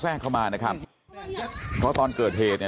เข้ามานะครับเพราะตอนเกิดเหตุเนี่ย